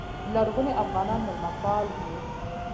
لرغوني افغانان میلمه پال وو